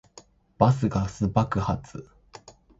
バスガス爆発